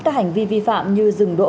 các hành vi vi phạm như rừng đỗ